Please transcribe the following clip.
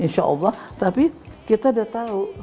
insya allah tapi kita udah tahu